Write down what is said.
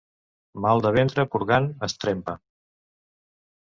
Mal de ventre purgant es trempa.